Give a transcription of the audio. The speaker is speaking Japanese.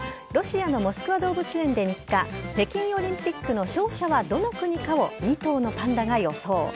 ロシアのモスクワ動物園で３日北京オリンピックの勝者はどの国かを２頭のパンダが予想。